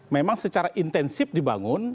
memang secara intensif dibangun